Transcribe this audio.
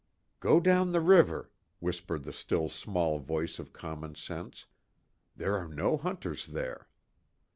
"Go down the river," whispered the still small voice of Common Sense, "There are no hunters there."